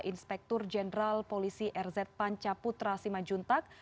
inspektur jenderal polisi rz pancaputra simajuntak